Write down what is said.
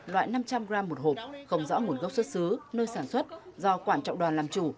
loại năm trăm linh gram một hộp không rõ nguồn gốc xuất xứ nơi sản xuất do quảng trọng đoàn làm chủ